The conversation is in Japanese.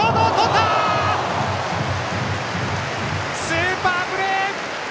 スーパープレー！